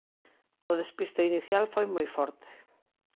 O despiste inicial foi moi forte.